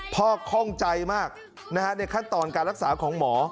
ข้อคล่องใจมากในขั้นตอนการรักษาของหมอ